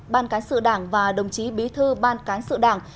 ban cán sự đảng và đồng chí bí thư ban cán sự đảng